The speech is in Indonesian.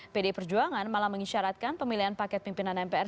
pdi perjuangan malah mengisyaratkan pemilihan paket pimpinan mpr